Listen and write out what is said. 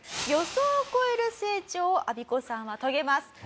予想を超える成長をアビコさんは遂げます。